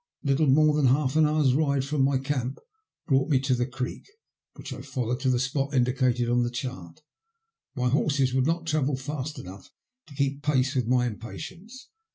Little more than half an hoar's ride from my camp brought me to the creek, which I followed to the spot indicated on the chart. My horses would not travel fast enough to keep pace with my impatience.